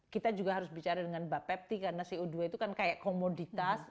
kita juga harus bicara dengan bapepti karena co dua itu kan kayak komoditas